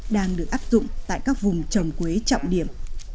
đang được áp dụng tại các vùng trồng quế trọng điểm